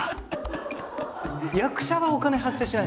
役者はお金発生しないの。